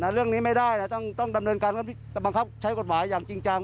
เรื่องนี้ไม่ได้ต้องดำเนินการบังคับใช้กฎหมายอย่างจริงจัง